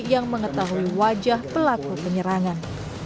yang mengetahui wajah pelaku penyerangan